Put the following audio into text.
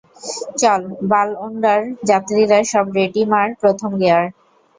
চল বালওনডার যাত্রীরা সব রেডি মার প্রথম গেয়ার!